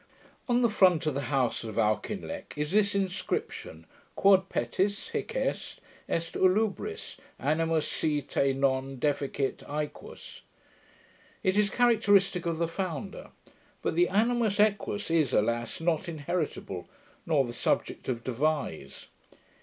On the front of the house of Auchinleck is this inscription: ... Quod petis, hic est; Est Ulubris, animus si te non deficit aequus. It is characteristick of the founder; but the animus aequus is, alas! not inheritable, nor the subject of devise.